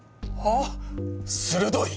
あっ鋭い！